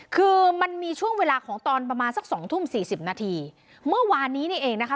คือมันมีช่วงเวลาของตอนประมาณสักสองทุ่มสี่สิบนาทีเมื่อวานนี้นี่เองนะคะ